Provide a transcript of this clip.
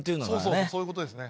そうそうそういうことですね。